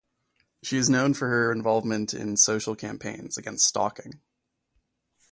She is known for her involvement in social campaigns against stalking.